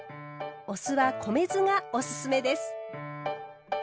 お酢は米酢がおすすめです。